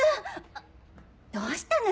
あどうしたの？